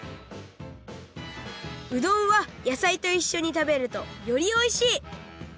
うどんはやさいといっしょに食べるとよりおいしい！